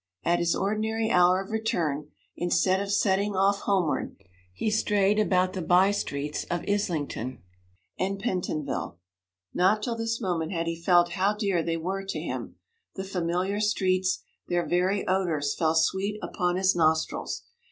At his ordinary hour of return, instead of setting off homeward, he strayed about the by streets of Islington and Pentonville. Not till this moment had he felt how dear they were to him, the familiar streets; their very odours fell sweet upon his nostrils.